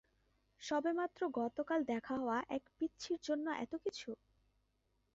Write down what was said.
সবেমাত্র গতকাল দেখা হওয়া এক পিচ্চির জন্য এতকিছু?